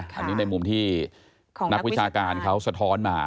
อันนี้ในมุมที่นักวิชาการเขาสะท้อนมา